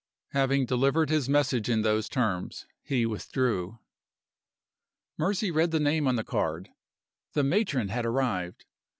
Having delivered his message in those terms, he withdrew. Mercy read the name on the card. The matron had arrived!